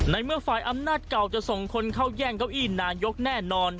ในเมื่อฝ่ายอำนาจเก่าจะส่งคนเข้าแย่งเก้าอี้นายกแน่นอน